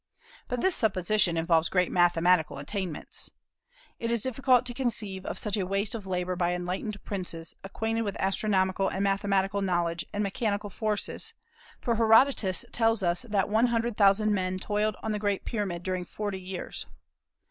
But this supposition involves great mathematical attainments. It is difficult to conceive of such a waste of labor by enlightened princes, acquainted with astronomical and mathematical knowledge and mechanical forces, for Herodotus tells us that one hundred thousand men toiled on the Great Pyramid during forty years.